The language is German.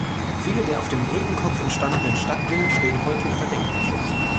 Viele der auf dem Brückenkopf entstandenen Stadtvillen stehen heute unter Denkmalschutz.